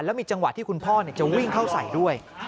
แล้วมีจังหวะที่คุณพ่อจะวิ่งเข้าใส่ด้วย